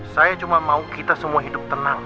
saya cuma mau kita semua hidup tenang